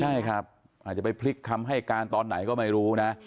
ใช่ครับอาจจะไปพลิกคำให้การตอนไหนก็ไม่รู้นะ